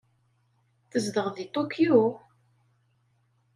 Tzedɣeḍ deg Tokyo?